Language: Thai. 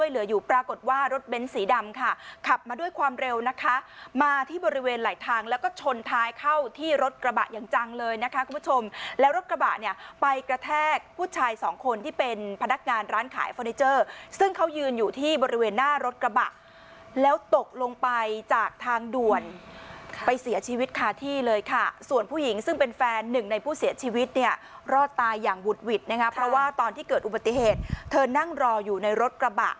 เลยนะคะคุณผู้ชมแล้วรถกระบะเนี่ยไปกระแทกผู้ชายสองคนที่เป็นพนักงานร้านขายฟอร์นิเจอร์ซึ่งเขายืนอยู่ที่บริเวณหน้ารถกระบะแล้วตกลงไปจากทางด่วนไปเสียชีวิตคาที่เลยค่ะส่วนผู้หญิงซึ่งเป็นแฟนหนึ่งในผู้เสียชีวิตเนี่ยรอดตายอย่างวุดวิดนะครับเพราะว่าตอนที่เกิดอุบัติเหตุเธอนั่งรออยู่ในรถกระบ